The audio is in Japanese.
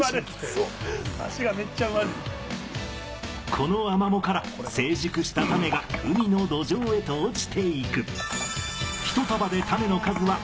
このアマモから成熟した種が海の土壌へと落ちていく。